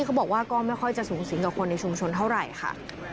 เขาบอกว่าก็ไม่ค่อยจะสูงสิงกับคนในชุมชนเท่าไหร่ค่ะ